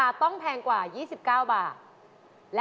ผ่านเป็นราคา๓ข้อค่ะ